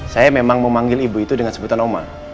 saya memanggil ibu itu dengan sebutan oma